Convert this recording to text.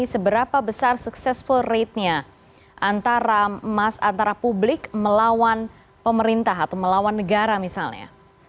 seberapa besar sukses rate nya antara mas antara publik melawan pemerintah atau melawan negara misalnya